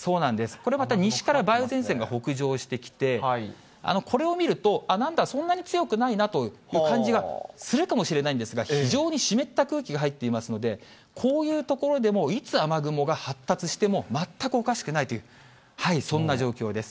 これまた西から梅雨前線が北上してきて、これを見ると、あっ、なんだ、そんなに強くないなという感じがするかもしれないんですが、非常に湿った空気が入っていますので、こういう所でも、いつ雨雲が発達しても全くおかしくないという、そんな状況です。